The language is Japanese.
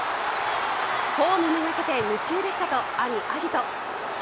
ホームめがけて夢中でしたと兄、晶音。